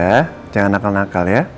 kamu di rumah nurut sama oma sama ancus ya